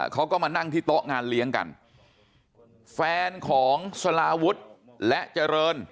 เขาก็มานั่งที่โต๊ะงานเลี้ยงกันแฟนของสลาวุฒิและเจริญ